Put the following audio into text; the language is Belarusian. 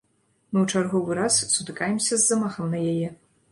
Мы ў чарговы раз сутыкаемся з замахам на яе.